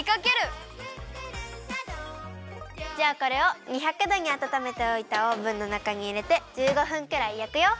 「クックルンシャドー」じゃあこれを２００どにあたためておいたオーブンのなかにいれて１５分くらいやくよ！